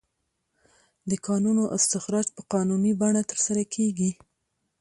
د کانونو استخراج په قانوني بڼه ترسره کیږي.